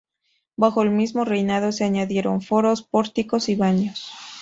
Bajo el mismo reinado se añadieron foros, pórticos y baños.